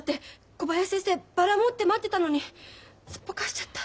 小林先生バラ持って待ってたのにすっぽかしちゃった。